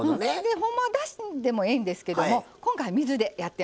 ほんまはだしでもええんですけども今回水でやってます。